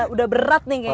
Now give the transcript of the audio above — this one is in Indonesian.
udah berat nih kayaknya